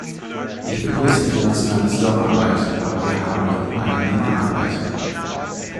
Ich begrüße internationale Zusammenarbeit, aber wir haben noch immer eine Menge Arbeit.